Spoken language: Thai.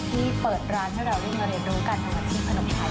ที่เปิดร้านให้เราได้มาเรียนรู้การทำอาชีพขนมไทย